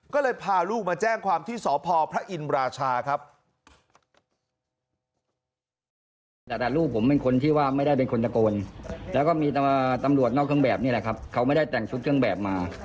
ก็เลยพาลูกมาแจ้งความที่สพพระอินราชาครับ